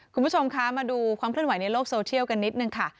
คุณผู้ชมคะมาดูความเคลื่อนไหวในโลกโซเชียลกันนิดนึงค่ะ